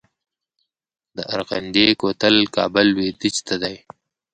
د ارغندې کوتل کابل لویدیځ ته دی